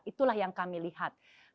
itulah yang kami lihat